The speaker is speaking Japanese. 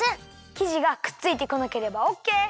きじがくっついてこなければオッケー！